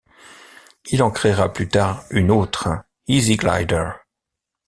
Il en créera plus tard une autre, Easyglider.